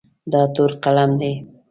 دا تور قلم دی.